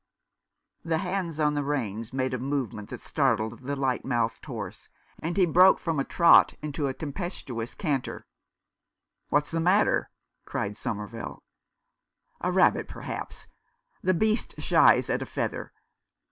The hands on the reins made a movement that startled the light mouthed horse, and he broke from a trot into a tempestuous canter. "What's the matter?" cried Somerville. "A rabbit, perhaps. The beast shies at a feather.